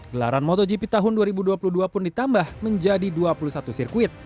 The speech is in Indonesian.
gelaran motogp tahun dua ribu dua puluh dua pun ditambah menjadi dua puluh satu sirkuit